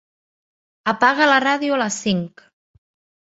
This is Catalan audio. Apaga la ràdio a les cinc.